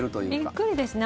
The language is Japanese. びっくりですね。